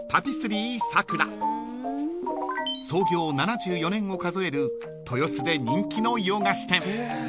［創業７４年を数える豊洲で人気の洋菓子店］